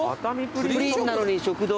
プリンなのに食堂。